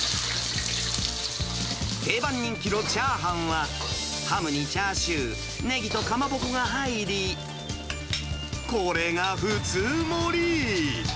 定番人気のチャーハンは、ハムにチャーシュー、ネギとかまぼこが入り、これが普通盛り。